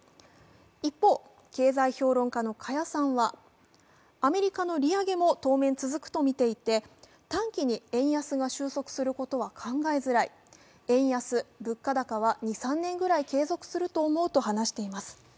一方、経済評論家の加谷さんはアメリカの利上げも当面続くとみていて、短期に円安が収束することは考えづらい円安、物価高は２３年ぐらい継続すると思うと話しています。